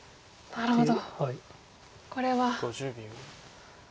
なるほど。